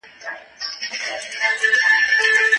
خپل مالونه په ناحقه مه ګټئ.